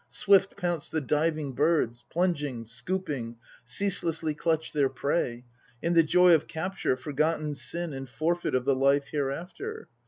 1 Swift pounce the diving birds, Plunging, scooping, Ceaselessly clutch their prey: In the joy of capture Forgotten sin and forfeit Of the life hereafter!